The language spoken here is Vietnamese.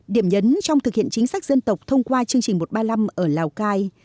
điểm nhấn trong thực hiện chính sách dân tộc thông qua chương trình một trăm ba mươi năm ở lào cai